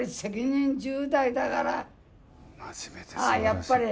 やっぱり。